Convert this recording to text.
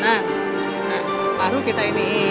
nah baru kita iniin